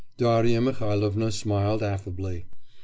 Darya Mihailovna smiled affably.